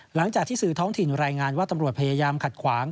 หลังจากที่สื่อท้องถิ่นรายงานว่าตำรวจพยายามขัดขวาง